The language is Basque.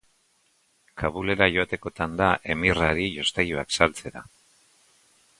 Kabul-era joatekotan da emirrari jostailuak saltzera.